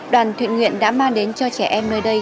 đoàn thiện nguyện đã mang đến cho trẻ em nơi đây